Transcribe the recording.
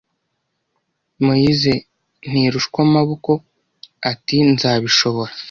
Moïse Ntirushwamaboko ati nzabishobora